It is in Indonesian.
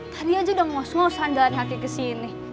tadi aja udah ngos ngosan jalan haki kesini